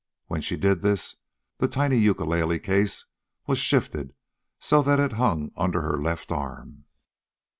When she did this, the tiny ukulele case was shifted so that it hung under her left arm.